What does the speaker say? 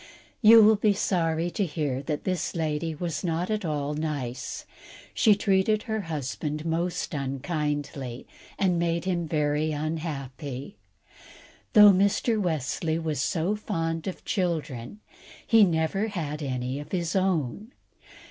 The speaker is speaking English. You will be sorry to hear that this lady was not at all nice; she treated her husband most unkindly, and made him very unhappy. Though Mr. Wesley was so fond of children, he never had any of his own.